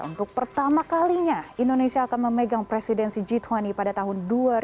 untuk pertama kalinya indonesia akan memegang presidensi g dua puluh pada tahun dua ribu dua puluh